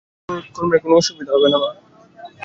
কাজকর্মের কোনো অসুবিধা হবে না, মা।